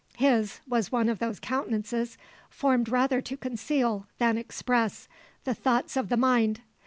His was one of those countenances formed rather to conceal than express the thoughts of the mind.